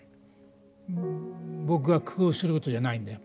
僕が工夫することじゃないんだよ。